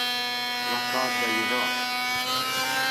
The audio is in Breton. Lakaat da yenaat.